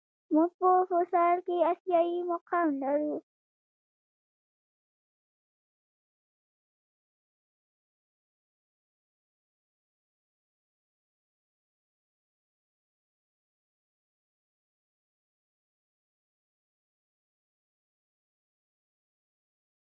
د مالکیت حقونو خوندیتوب په سکتور کې انقلاب ته لار هواره کړه.